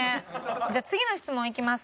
じゃあ次の質問いきます。